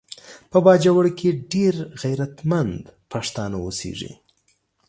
په باجوړ کې ډیر غیرتمند پښتانه اوسیږي